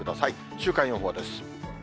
週間予報です。